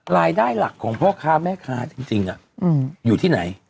รายได้หลักของพ่อค้าแม่ค้าจริงอยู่ที่ไหน